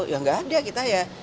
ya nggak ada kita ya